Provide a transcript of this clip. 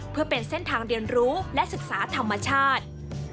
เพื่อเป็นเส้นทางเรียนรู้และศึกษาธรรมชาติ